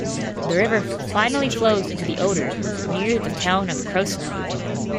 The river finally flows into the Oder near the town of Krosno.